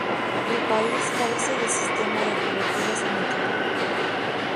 El país carece de sistema de cobertura sanitaria.